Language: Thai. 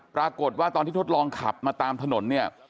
ปรากฏว่าตอนที่ทดลองขับมาตามถนนเนี่ย